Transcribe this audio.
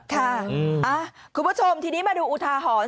คุณผู้ชมทีนี้มาดูอุทาหรณ์